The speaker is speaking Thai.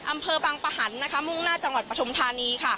อำเภอบางปะหันมุ่งหน้าจังหวัดปฐุมธานี